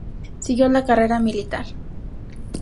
Siguió la carrera militar.